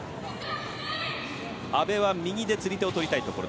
阿部は右で釣り手をとりたいところ。